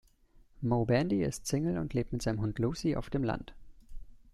Moe Bandy ist Single und lebt mit seinem Hund Lucy auf dem Land.